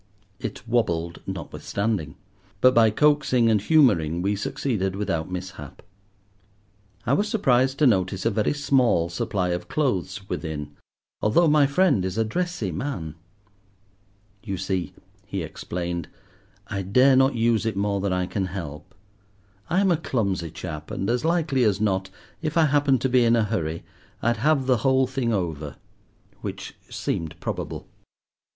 It wobbled notwithstanding, but by coaxing and humouring we succeeded without mishap. I was surprised to notice a very small supply of clothes within, although my friend is a dressy man. "You see," he explained, "I dare not use it more than I can help. I am a clumsy chap, and as likely as not, if I happened to be in a hurry, I'd have the whole thing over:" which seemed probable.